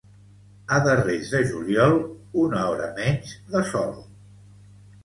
A darrers de juliol, una hora menys de sol.